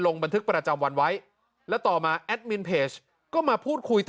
ลงบันทึกประจำวันไว้แล้วต่อมาแอดมินเพจก็มาพูดคุยต่อ